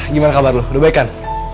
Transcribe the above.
gimana kabar lu bekan